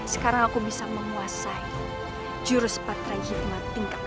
sekarang aku bisa menguasai juru sepatra yitma tingkat ke enam